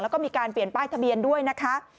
แล้วก็มีการเปลี่ยนป้ายทะเบียนด้วยนะคะ